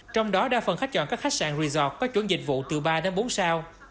trong đó đa phần khách chọn các khách sạn resort có chuẩn dịch vụ từ ba đến bốn sao